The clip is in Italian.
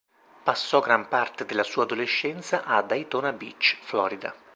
Passò gran parte della sua adolescenza a Daytona Beach, Florida.